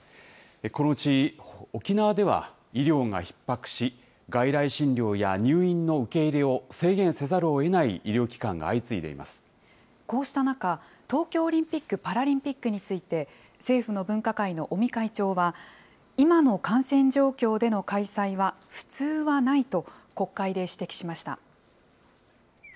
このうち沖縄では医療がひっ迫し、外来診療や入院の受け入れを制限せざるをえない医療機関が相次いこうした中、東京オリンピック・パラリンピックについて、政府の分科会の尾身会長は、今の感染状況での開催は普通はないと、国会で指摘しました。